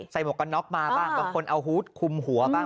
ใส่หมวกกัลน็อคมาบ้างบางคนเอาหุ้ดคุมหัวบ้าง